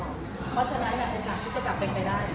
เพราะฉะนั้นโอกาสจะกลับไปไม่ได้